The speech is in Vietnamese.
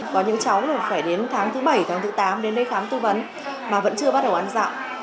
có những cháu phải đến tháng thứ bảy tháng thứ tám đến đây khám tư vấn mà vẫn chưa bắt đầu ăn dạo